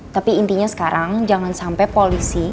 tapi intinya sekarang jangan sampai polisi